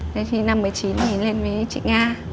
năm một mươi chín thì lên với chị nga